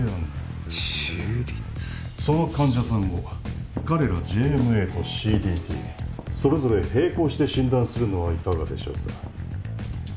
その患者さんを彼らＪＭＡとＣＤＴそれぞれ並行して診断するのはいかがでしょうか？